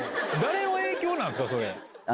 誰の影響なんですか、それ。